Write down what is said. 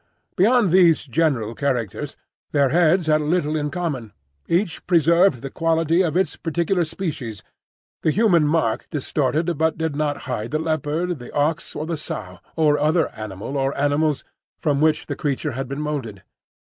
Beyond these general characters their heads had little in common; each preserved the quality of its particular species: the human mark distorted but did not hide the leopard, the ox, or the sow, or other animal or animals, from which the creature had been moulded.